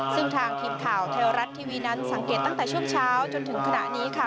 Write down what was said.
ซึ่งทางทีมข่าวเทวรัฐทีวีนั้นสังเกตตั้งแต่ช่วงเช้าจนถึงขณะนี้ค่ะ